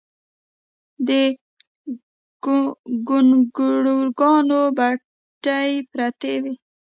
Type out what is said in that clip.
د ګونګروګانو پټۍ پرتې وې